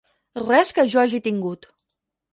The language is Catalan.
Res que jo hagi tingut.